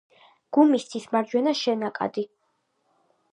გუმისთის მარჯვენა შენაკადი.